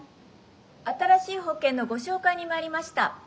新しい保険のご紹介に参りました」。